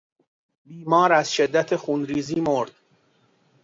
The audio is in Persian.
بیمار از شدت خونریزی مرد.